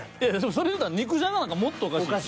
それ言うたら肉じゃがなんかもっとおかしいですよ。